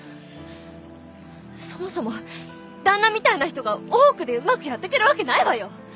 そもそも旦那みたいな人が大奥でうまくやってけるわけないわよ！